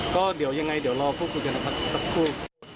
ก็อย่างไรเดี๋ยวรอพูดคุยกันค่ะสักครู่